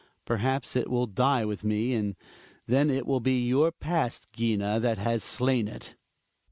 Perhaps it will die with me, and then it will be your past, Gina, that has slain it.